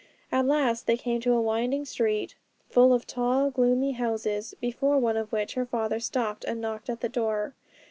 At last they came to a winding street full of tall, gloomy houses, before one of which her father stopped and knocked at the door.